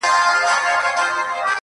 جګړه نښتې په سپین سبا ده!.